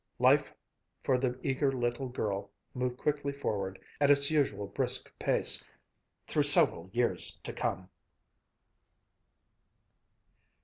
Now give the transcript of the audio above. Life for the eager little girl moved quickly forward at its usual brisk pace, through several years to come.